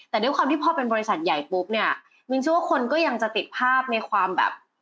แต่ด้วยความที่พอเป็นบริษัทใหญ่ปุ๊บเนี่ยมินเชื่อว่าคนก็ยังจะติดภาพในความแบบ